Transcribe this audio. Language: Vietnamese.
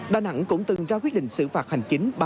đà nẵng cũng từng ra quyết định xử phạt hành chính